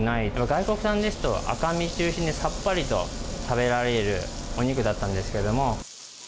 外国産ですと、赤身中心で、さっぱりと食べられるお肉だったんですけれども。